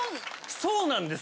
そうなんです！